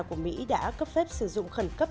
của mỹ đã cấp phép sử dụng khẩn cấp